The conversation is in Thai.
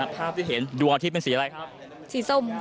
ภาพที่เห็นดัวที่เป็นสีอะไรครับ